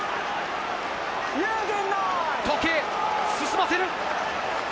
時計、進ませる。